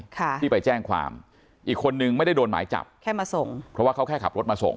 ค่ะที่ไปแจ้งความอีกคนนึงไม่ได้โดนหมายจับแค่มาส่งเพราะว่าเขาแค่ขับรถมาส่ง